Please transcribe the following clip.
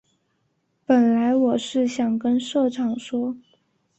本来我是想跟社长说